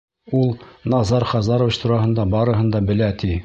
Ул Назар Хазарович тураһында барыһын да белә, ти.